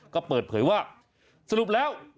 ก็เปิดเผยว่าสรุปแล้ว